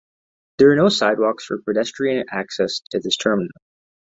There are no sidewalks for pedestrian access to this terminal.